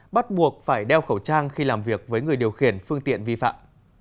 bắt buộc phải đeo khẩu trang khi làm việc với người điều khiển phương tiện vi phạm